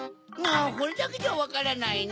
これだけじゃわからないネ。